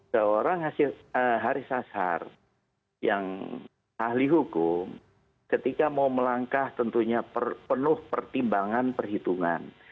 seorang haris azhar yang ahli hukum ketika mau melangkah tentunya penuh pertimbangan perhitungan